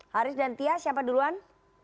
haris dan tia siapa duluan